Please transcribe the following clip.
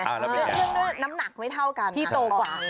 เพราะรนามนักไม่เท่ากันพี่โตก่อน